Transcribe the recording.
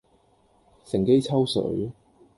乘機抽水